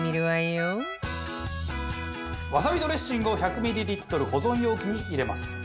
わさびドレッシングを１００ミリリットル保存容器に入れます。